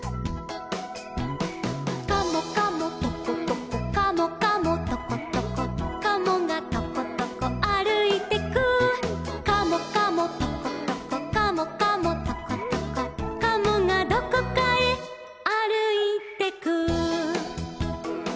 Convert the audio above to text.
「カモカモトコトコカモカモトコトコ」「カモがトコトコあるいてく」「カモカモトコトコカモカモトコトコ」「カモがどこかへあるいてく」